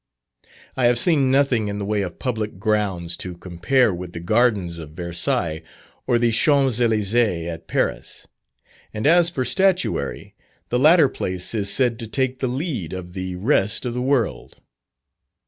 I have seen nothing in the way of public grounds to compare with the gardens of Versailles, or the Champs Elysees at Paris; and as for statuary, the latter place is said to take the lead of the rest of the world.